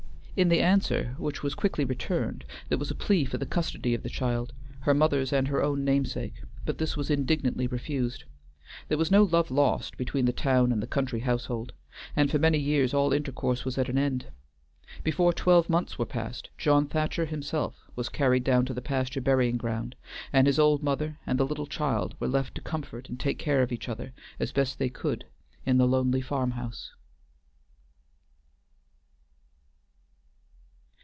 In the answer which was quickly returned, there was a plea for the custody of the child, her mother's and her own namesake, but this was indignantly refused. There was no love lost between the town and the country household, and for many years all intercourse was at an end. Before twelve months were past, John Thacher himself was carried down to the pasture burying ground, and his old mother and the little child were left to comfort and take care of each other as best they could in the lonely farm house.